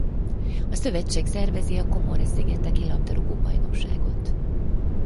A szövetség szervezi a Comore-szigeteki labdarúgó-bajnokságot.